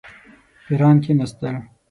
پیران کښېنستل.